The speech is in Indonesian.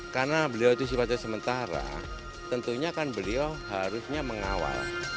karena beliau itu sifatnya sementara tentunya kan beliau harusnya mengawal